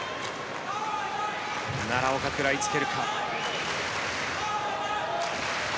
奈良岡、食らいつけるか。